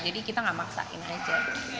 jadi kita gak maksakin aja